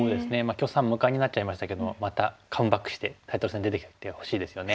許さん無冠になっちゃいましたけどまたカムバックしてタイトル戦に出てきてほしいですよね。